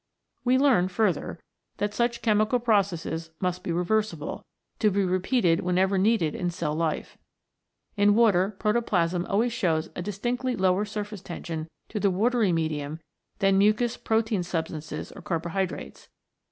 We learn, further, that such chemical processes must be reversible, to be repeated whenever needed in cell life. In water protoplasm always shows a dis tinctly lower surface tension to the watery medium than mucous protein substances or carbohydrates.